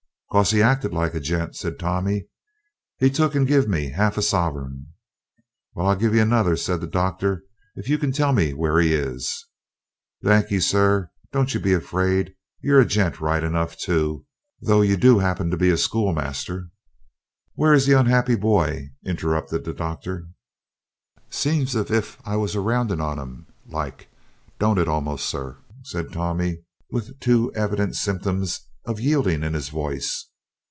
"'Cos he acted like a gent," said Tommy; "he took and give me a 'arf suffering." "Well, I'll give you another," said the Doctor, "if you can tell me where he is." "Thankee, sir, don't you be afraid you're a gent right enough, too, though you do 'appen to be a schoolmaster." "Where is the unhappy boy?" interrupted the Doctor. "Seems as if I was a roundin' on 'im, like, don't it a'most, sir?" said Tommy, with too evident symptoms of yielding in his voice.